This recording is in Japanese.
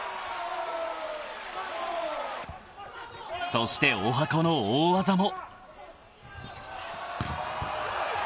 ［そして十八番の大技も］